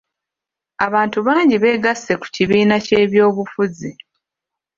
Abantu bangi beegasse ku kibiina ky'ebyobufuzi.